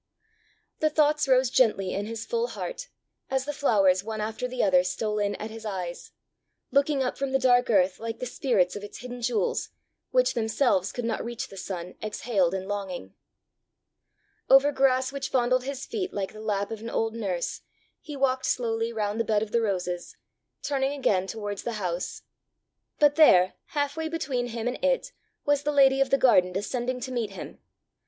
The thoughts rose gently in his full heart, as the flowers, one after the other, stole in at his eyes, looking up from the dark earth like the spirits of its hidden jewels, which themselves could not reach the sun, exhaled in longing. Over grass which fondled his feet like the lap of an old nurse, he walked slowly round the bed of the roses, turning again towards the house. But there, half way between him and it, was the lady of the garden descending to meet him!